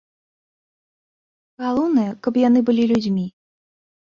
Галоўнае, каб яны былі людзьмі.